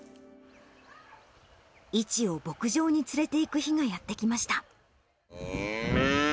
イチを牧場に連れていく日がやって来ました。